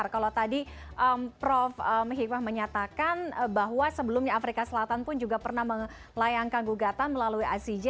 kalau tadi prof mhibah menyatakan bahwa sebelumnya afrika selatan pun juga pernah melayangkan gugatan melalui icj